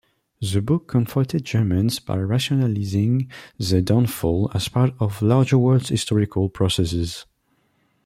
The book comforted Germans by rationalizing their downfall as part of larger world-historical processes.